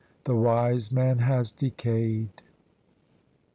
The wise man has decayed!